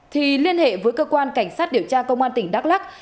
thì liên hệ với cơ quan cảnh sát điều tra công an tỉnh đắk lắc